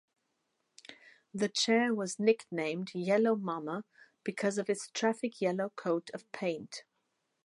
The chair was nicknamed "Yellow Mama" because of its traffic-yellow coat of paint.